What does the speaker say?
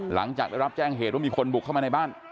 หลังจากได้รับแจ้งเหตุว่ามีคนบุกเข้ามาในบ้าน